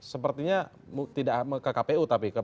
sepertinya tidak ke kpu tapi